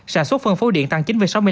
sản xuất phân phố điện tăng chín sáu mươi năm